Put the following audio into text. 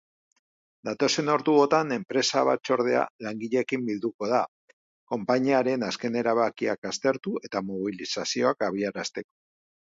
Datozen orduotan enpresa-batzordea langileekin bilduko da konpainiaren azken erabakiak aztertu eta mobilizazioak abiarazteko.